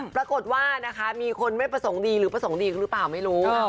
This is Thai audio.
ปรากฏว่านะคะมีคนไม่ประสงค์ดีหรือประสงค์ดีหรือเปล่าไม่รู้